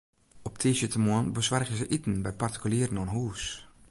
Op tiisdeitemoarn besoargje se iten by partikulieren oan hûs.